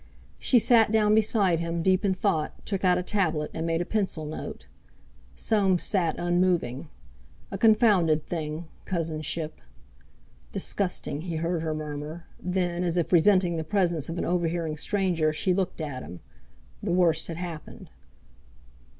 She sat down beside him, deep in thought, took out a tablet, and made a pencil note. Soames sat unmoving. A confounded thing, cousinship! "Disgusting!" he heard her murmur; then, as if resenting the presence of an overhearing stranger, she looked at him. The worst had happened.